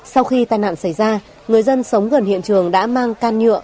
sau khi tai nạn xảy ra người dân sống gần hiện trường đã mang can nhựa